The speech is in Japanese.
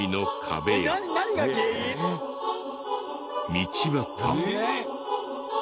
道端。